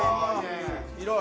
広い。